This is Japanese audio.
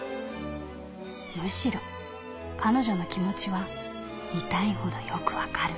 むしろ彼女の気持ちは痛いほどよくわかる」。